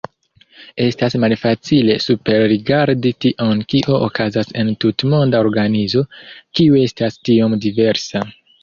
Estas malfacile superrigardi tion kio okazas en tutmonda organizo, kiu estas tiom diversa.